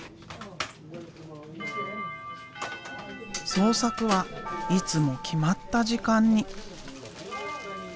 創作はいつも決まった時間に。